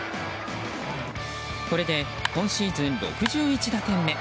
これで今シーズン６１打点目。